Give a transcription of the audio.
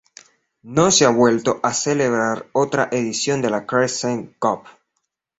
No se ha vuelto a celebrar otra edición de la Crescent Cup.